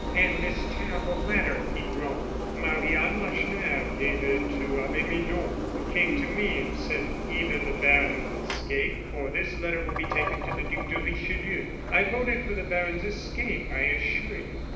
"And this terrible letter?" he groaned. "Marie Anne Lacheneur gave it to Abbe Midon, who came to me and said: 'Either the baron will escape, or this letter will be taken to the Duc de Richelieu.' I voted for the baron's escape, I assure you.